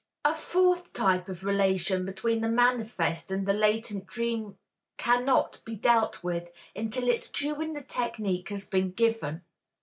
A fourth type of relation between the manifest and the latent dream cannot be dealt with until its cue in the technique has been given.